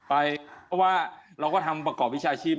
เพราะว่าเราก็ทำประกอบวิชาชีพ